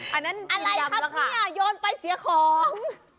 อะไรครับเนี่ยโยนไปเสียของ